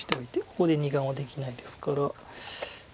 ここで２眼はできないですから。